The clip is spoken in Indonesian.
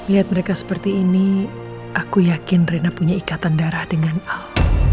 lihat mereka seperti ini aku yakin rina punya ikatan darah dengan al